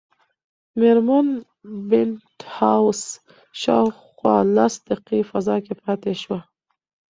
مېرمن بینتهاوس شاوخوا لس دقیقې فضا کې پاتې شوه.